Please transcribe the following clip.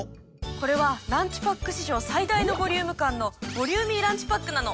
これはランチパック史上最大のボリューム感のボリューミーランチパックなの。